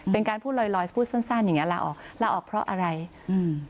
เป็นการพูดลอยลอยพูดสั้นสั้นอย่างเงี้ลาออกลาออกเพราะอะไรอืม